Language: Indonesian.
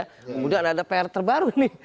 kemudian ada pr terbaru nih